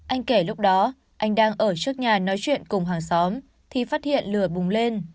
anh kể lúc đó anh đang ở trước nhà nói chuyện cùng hàng xóm thì phát hiện lửa bùng lên